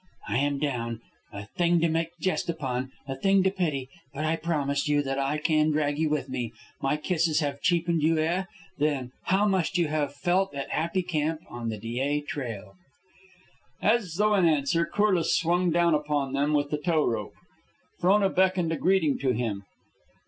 "I am down, a thing to make a jest upon, a thing to pity, but I promise you that I can drag you with me. My kisses have cheapened you, eh? Then how must you have felt at Happy Camp on the Dyea Trail?" As though in answer, Corliss swung down upon them with the tow rope. Frona beckoned a greeting to him.